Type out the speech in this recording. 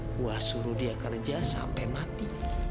kuah suruh dia kerja sampai mati